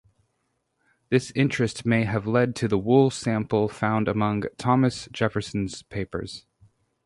This interest may have led to the wool sample found among Thomas Jefferson's papers.